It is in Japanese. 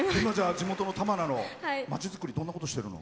地元の玉名の街づくりどんなことをしてるの？